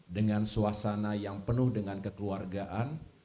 dengan suasana yang penuh dengan kekeluargaan